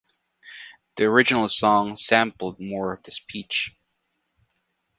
The original song sampled more of the speech.